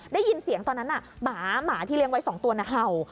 ได้ยินเสียงตอนนั้นหมาหมาที่เลี้ยงไว้๒ตัวเห่า